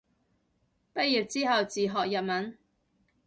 畢業之後自學日文